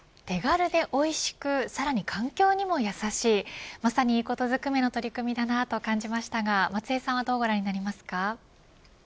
手軽でおいしく環境にも優しいまさに、いいことずくめの取り組みだと感じましたが松江さんはどうご覧になりますか。